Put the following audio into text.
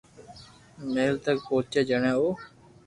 مھل تڪ پوچي جڻي او